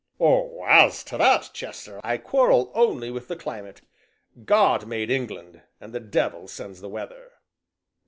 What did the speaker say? "Oh! as to that, Chester, I quarrel only with the climate. God made England, and the devil sends the weather!"